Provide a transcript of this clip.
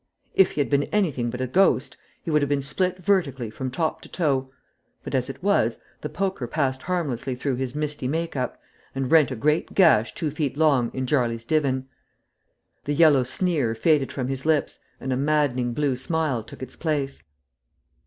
If he had been anything but a ghost, he would have been split vertically from top to toe; but as it was, the poker passed harmlessly through his misty make up, and rent a great gash two feet long in Jarley's divan. The yellow sneer faded from his lips, and a maddening blue smile took its place.